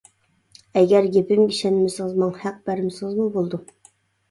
ئەگەر گېپىمگە ئىشەنمىسىڭىز، ماڭا ھەق بەرمىسىڭىزمۇ بولىدۇ.